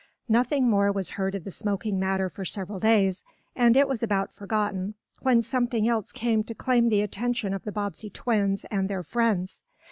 Nothing more was heard of the smoking matter for several days, and it was about forgotten, when something else came to claim the attention of the Bobbsey twins and their friends.